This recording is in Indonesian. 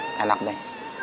makan enak deh